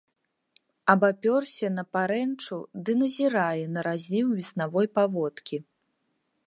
Абапёрся на парэнчу ды назірае на разліў веснавой паводкі.